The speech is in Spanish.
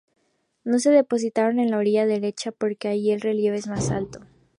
No se depositaron en la orilla derecha porque allí el relieve es más alto.